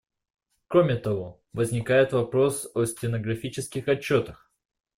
Кроме того, возникает вопрос о стенографических отчетах.